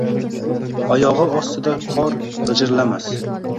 Oyog’i ostida qor g’ijirlamas